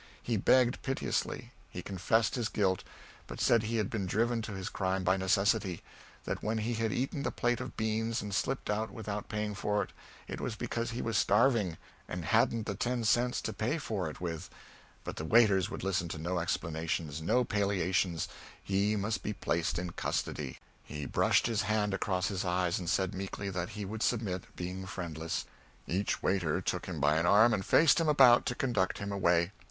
He begged piteously. He confessed his guilt, but said he had been driven to his crime by necessity that when he had eaten the plate of beans and flipped out without paying for it, it was because he was starving, and hadn't the ten cents to pay for it with. But the waiters would listen to no explanations, no palliations; he must be placed in custody. He brushed his hand across his eyes and said meekly that he would submit, being friendless. Each waiter took him by an arm and faced him about to conduct him away.